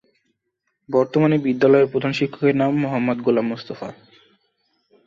বর্তমানে বিদ্যালয়ের প্রধান শিক্ষকের নাম মো: গোলাম মোস্তফা।